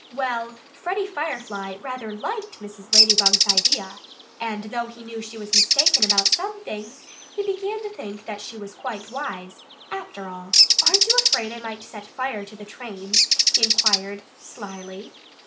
Well, Freddie Firefly rather liked Mrs. Ladybug's idea. And though he knew that she was mistaken about some things, he began to think that perhaps she was quite wise, after all. "Aren't you afraid I might set fire to the trains?" he inquired slyly.